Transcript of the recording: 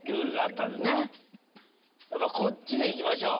やっぱこっちでいきましょう。